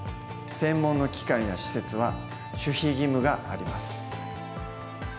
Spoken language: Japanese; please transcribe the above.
専門の機関や施設は守秘義務があります。